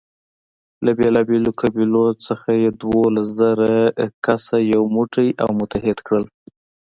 له بېلابېلو قبیلو نه یې دولس زره کسه یو موټی او متحد کړل.